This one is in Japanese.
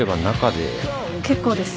結構です。